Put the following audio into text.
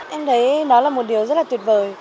em thấy nó là một điều rất là tuyệt vời